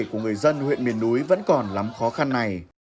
của người dân huyện miền núi vẫn còn lắm khó khăn này